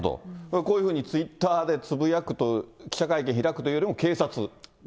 こういうふうにツイッターでつぶやくと、記者会見開くなどというよりも警察。